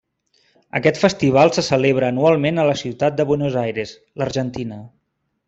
Aquest festival se celebra anualment a la ciutat de Buenos Aires, l'Argentina.